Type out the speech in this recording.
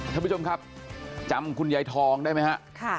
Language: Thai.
ท่านผู้ชมครับจำคุณยายทองได้ไหมฮะ